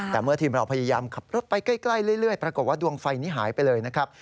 แต่เมื่อทีมเราพยายามขับรถไปใกล้เรื่อยปรากฏว่าดวงไฟนี้หายไปเลยนะครับ